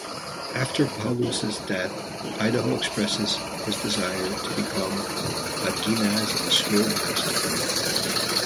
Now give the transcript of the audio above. After Paulus' death, Idaho expresses his desire to become a Ginaz Swordmaster.